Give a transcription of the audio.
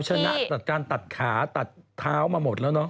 ชนะตัดการตัดขาตัดเท้ามาหมดแล้วเนาะ